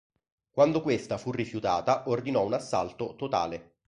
Quando questa fu rifiutata ordinò un assalto totale.